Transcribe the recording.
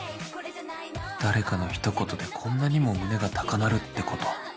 誰かの一言でこんなにも胸が高鳴るってこと。